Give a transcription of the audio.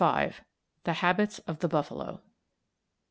V. THE HABITS OF THE BUFFALO.